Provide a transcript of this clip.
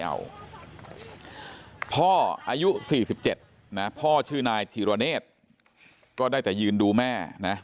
พ่ออายุ๔๗พ่อชื่อนายฐิรัเนตก็ได้แต่ยืนดูแม่